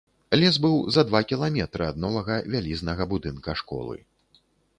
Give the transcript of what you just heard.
Лес быў за два кіламетры ад новага вялізнага будынка школы.